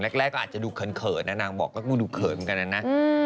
อักแรกอาจจะดูเขินเขินนางบอกแล้วดูเขินเหมือนกันนะ